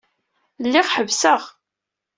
Lliɣ ḥebseɣ.